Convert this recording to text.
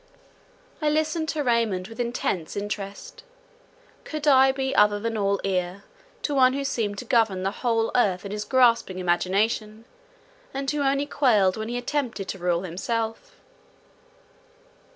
I listened to Raymond with intense interest. Could I be other than all ear, to one who seemed to govern the whole earth in his grasping imagination, and who only quailed when he attempted to rule himself.